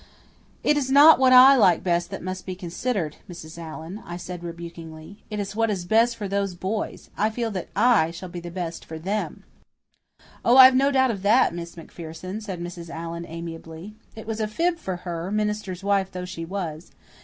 "It is not what I like best that must be considered, Mrs. Allan," I said rebukingly. "It is what is best for those boys. I feel that I shall be best for THEM." "Oh, I've no doubt of that, Miss MacPherson," said Mrs. Allan amiably. It was a fib for her, minister's wife though she was.